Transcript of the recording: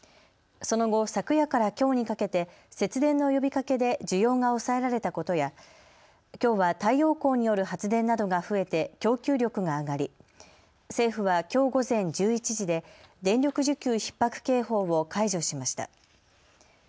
その後、昨夜からきょうにかけて節電の呼びかけで需要が抑えられたことやきょうは太陽光による発電などが増えて供給力が上がり政府はきょう午前１１時で電力需給ひっ迫警報を解除しました。